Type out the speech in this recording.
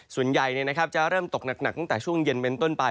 ส่วนใหญ่เนี้ยนะครับจะเริ่มตกหนักหนักตั้งแต่ช่วงเย็นเป็นต้นไป